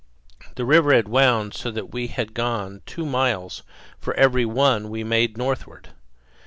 The river had wound so that we had gone two miles for every one we made northward.